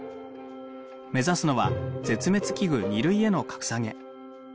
目指すのは絶滅危惧Ⅱ類への格下げ。